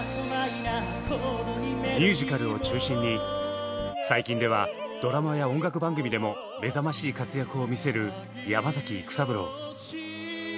ミュージカルを中心に最近ではドラマや音楽番組でも目覚ましい活躍を見せる山崎育三郎。